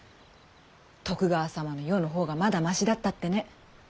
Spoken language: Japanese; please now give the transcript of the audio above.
徳川様の世の方がまだましだったってね。